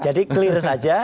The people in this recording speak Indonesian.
jadi clear saja